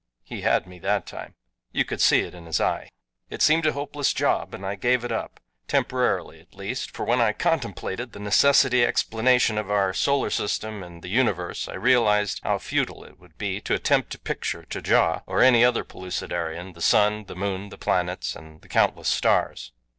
He had me, that time you could see it in his eye. It seemed a hopeless job and I gave it up, temporarily at least, for when I contemplated the necessity explanation of our solar system and the universe I realized how futile it would be to attempt to picture to Ja or any other Pellucidarian the sun, the moon, the planets, and the countless stars.